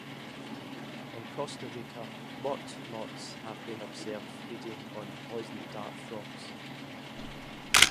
In Costa Rica, motmots have been observed feeding on poison dart frogs.